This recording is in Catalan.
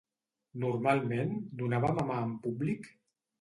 Normalment donava a mamar en públic?